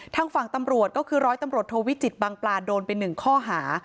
ทางฝั่งตำรวจก็คือร้อยตำรวจโทวิจิตบางปลาโดนไป๑ข้อหา